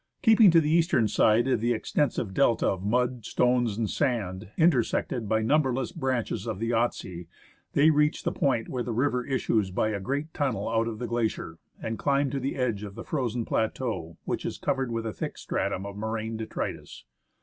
Keeping to the eastern side of the extensive delta of mud, stones, and sand, intersected by numberless branches of the Yahtse, they reached the point where the river issues by a great tunnel out of the glacier, 50 THE HISTORY OF MOUNT ST. ELIAS and climbed to the edge of the frozen plateau, which is covered with a thick stratum of moraine detritus.